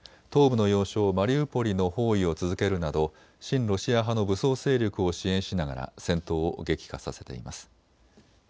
東部の要衝マリウポリの包囲を続けるなど親ロシア派の武装勢力を支援しながら戦闘を激化させています。